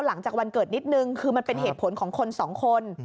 หลังจากวันเกิดนิดนึงคือมันเป็นเหตุผลของคนสองคน